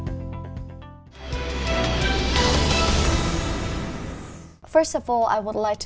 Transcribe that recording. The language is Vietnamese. đại sứ farhan azzedine